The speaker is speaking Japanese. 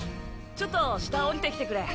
ちょっと下下りてきてくれ。